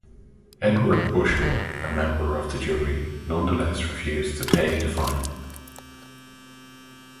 Edward Bushel, a member of the jury, nonetheless refused to pay the fine.